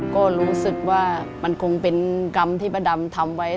ก็รู้สึกว่ามันคงเป็นกรรมที่ป้าดำทำไว้